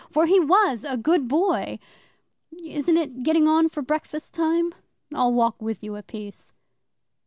For he was a good boy! Isn't it getting on for breakfast time? I'll walk with you a piece.